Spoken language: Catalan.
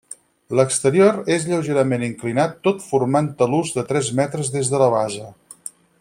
L'exterior és lleugerament inclinat tot formant talús de tres metres des de la base.